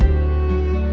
aku mau ke sana